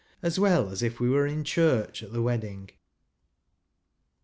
s well as if we were in church at the wedding.